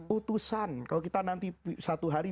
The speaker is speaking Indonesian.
utusan kalau kita nanti satu hari